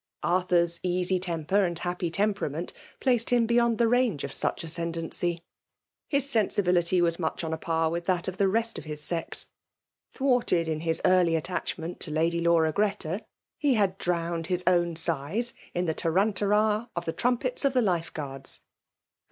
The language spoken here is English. Arthur s easy temper and happy .temperament placed him beyond the range of such ascendency. His sensibility was. miieh on a. par with that of the rest of his sex^ Thwarted in his early attachment to Xiady Laura Greta^ he had drowned his own sighs in the tantarara of the trumpetsof the Life Guards^ and.